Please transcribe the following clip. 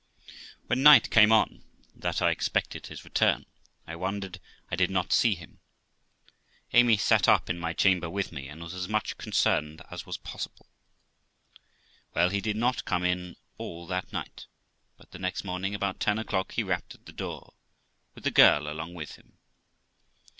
When night came on, that I expected his return, I wondered I did not see him. Amy sat up in my chamber with me, and was as much con cerned as was possible. Well, he did not come in all that night, but the next morning, about ten o'clock, he rapped at the door, with the girl along with him.